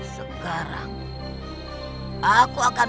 sekarang kita mulai